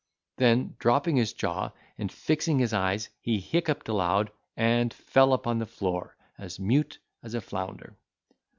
Then, dropping his jaw, and fixing his eyes, he hiccuped aloud, and fell upon the floor as mute as a flounder.